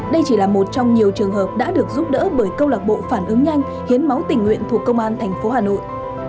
đây chỉ là một trong nhiều trường hợp đã được giúp đỡ bởi câu lạc bộ phản ứng nhanh hiến máu tình nguyện thuộc công an tp hà nội